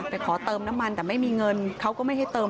ขอเติมน้ำมันแต่ไม่มีเงินเขาก็ไม่ให้เติม